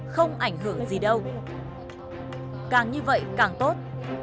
không ảnh hưởng gì đâu càng như vậy càng tốt